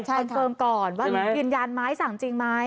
คอนเฟิร์มก่อนว่ายืนยันไหมสั่งจริงไหม